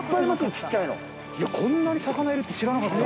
こんなに魚いるって知らなかった。